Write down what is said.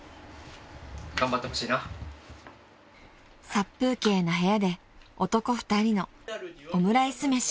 ［殺風景な部屋で男２人のオムライス飯］